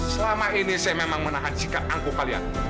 selama ini saya memang menahan sikap aku kalian